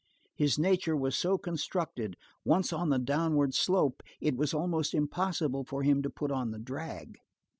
His nature was so constructed; once on the downward slope, it was almost impossible for him to put on the drag.